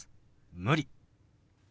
「無理」。